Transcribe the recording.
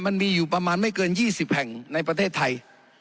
มันมีอยู่ประมาณไม่เกิน๒๐แห่งในประเทศไทย